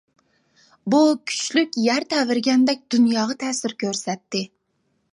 بۇ كۈچلۈك يەر تەۋرىگەندەك دۇنياغا تەسىر كۆرسەتتى.